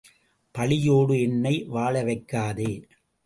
பழியோடு என்னை வாழவைக்காதே!